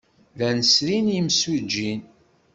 Llan srin imsujji.